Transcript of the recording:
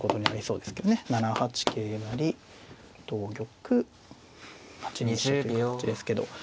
７八桂成同玉８二飛車という手ですけど。